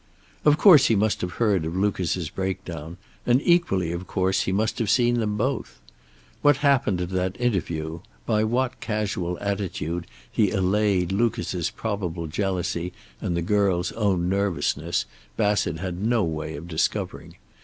Of course he must have heard of Lucas's breakdown, and equally, of course, he must have seen them both. What happened at that interview, by what casual attitude he allayed Lucas's probable jealousy and the girl's own nervousness, Bassett had no way of discovering.